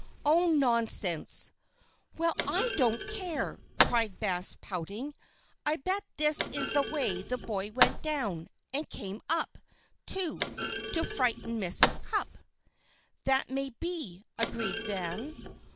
"Oh, nonsense!" "Well, I don't care," cried Bess, pouting, "I bet this is the way the boy went down. And came up, too, to frighten Mrs. Cupp." "That may be," agreed Nan.